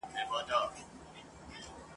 که په دې تعمیر کي هم عدالت نه وي ..